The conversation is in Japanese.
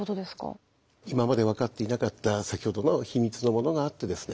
今まで分かっていなかった先ほどの秘密のものがあってですね